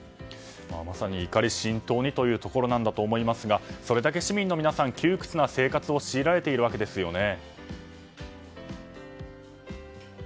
まさに怒り心頭にというところなんだと思いますがそれだけ市民の皆さん窮屈な生活を強いられているわけですよね。